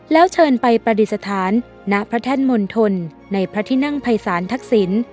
แล้วเชิญไปประดิษฐานณพระแท่นมณฑลในพระที่นั่งภัยศาลทักษิณ